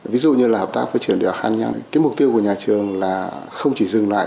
ví dụ như là hợp tác với trường đại học hạt nhân cái mục tiêu của nhà trường là không chỉ dừng lại